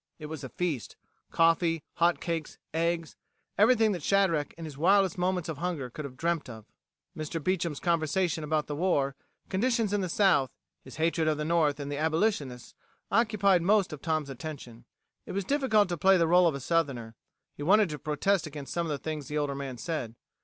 It was a feast: coffee, hot cakes, eggs ... everything that Shadrack in his wildest moments of hunger could have dreamt of. Mr. Beecham's conversation about the war, conditions in the South, his hatred of the North and the abolitionists, occupied most of Tom's attention. It was difficult to play the role of Southerner; he wanted to protest against some of the things the older man said.